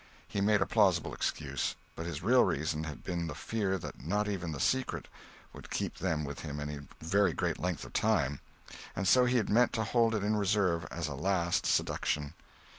He made a plausible excuse; but his real reason had been the fear that not even the secret would keep them with him any very great length of time, and so he had meant to hold it in reserve as a last seduction.